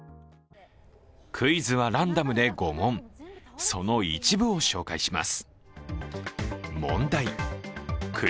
クイズはランダムで５問、その一部を紹介します。